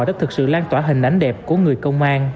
đã thực sự lan tỏa hình ảnh đẹp của người công an